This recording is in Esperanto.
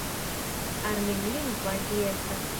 Armenlingva ĝi estas.